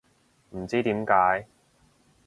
唔知點解